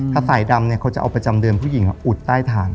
ถ้าสายดำเขาจะเอาประจำเดือนผู้หญิงอุดใต้ฐาน